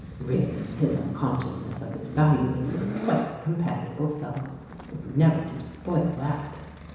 Really, his unconsciousness of his value makes him quite a companionable fellow ; it would never do to spoil that."